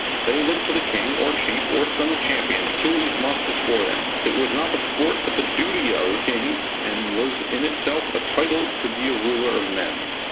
They looked to the King or chief, or some champion, to kill these monsters for them. It was not the sport but the duty of. Kings, and was in itself a title to be a ruler of men.